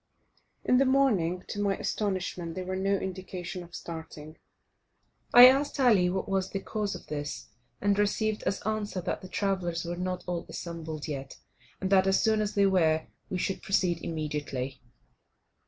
In the morning, to my astonishment, there were no indications of starting. I asked Ali what was the cause of this, and received as answer that the travellers were not all assembled yet, and that, as soon as they were, we should proceed immediately.